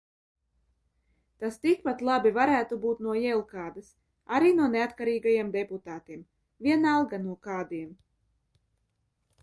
Tas tikpat labi varētu būt no jelkādas, arī no neatkarīgajiem deputātiem, vienalga, no kādiem.